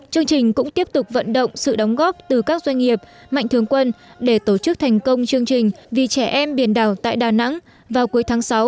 chương trình cũng tiếp tục vận động sự đóng góp từ các doanh nghiệp mạnh thường quân để tổ chức thành công chương trình vì trẻ em biển đảo tại đà nẵng vào cuối tháng sáu